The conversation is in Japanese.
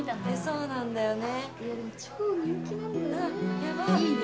そうなんだよね